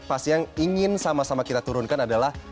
pasti yang ingin sama sama kita turunkan adalah